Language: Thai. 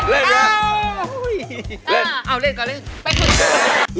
เล่นก่อน